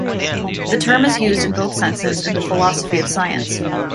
The term is used in both senses in the philosophy of science.